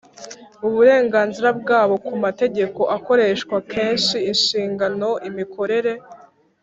Uburenganzira bwabo ku mategeko akoreshwa kenshi inshingano imikorere